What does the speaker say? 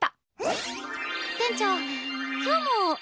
店長。